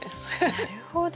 なるほど。